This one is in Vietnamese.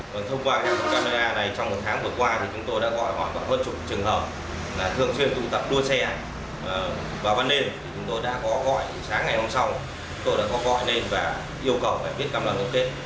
và vấn đề chúng tôi đã có gọi sáng ngày hôm sau chúng tôi đã có gọi lên và yêu cầu phải viết camera nâng kết